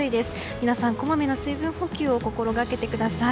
皆さん、こまめな水分補給を心がけてください。